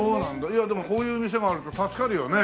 いやでもこういう店があると助かるよね。